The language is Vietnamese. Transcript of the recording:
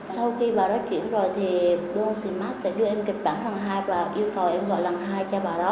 sau khi bà đó chuyển rồi thì đông sĩ mạc sẽ đưa em kết bạn thằng hai và yêu cầu em gọi thằng hai cha bà đó